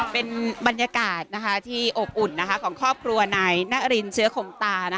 เป็นบรรยากาศที่อบอุ่นของครอบครัวนายนารินเชื้อขมตา